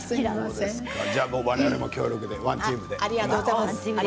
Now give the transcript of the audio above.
じゃあ我々もワンチームで。